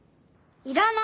要らない！